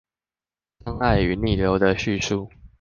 障礙與逆流的敘述